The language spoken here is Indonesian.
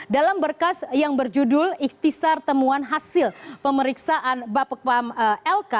dalam berkas yang berjudul iktisar temuan hasil pemeriksaan bapak bapak lk